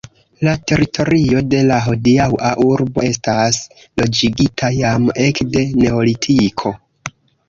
La teritorio de la hodiaŭa urbo estas loĝigita jam ekde neolitiko.